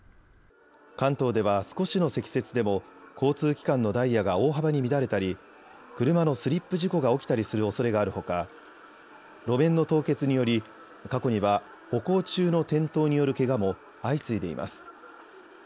関東では少しの積雪でも交通機関のダイヤが大幅に乱れたり車のスリップ事故が起きたりするおそれがあるほか路面の凍結により過去には歩行中の転倒によるけがも相次いでいます。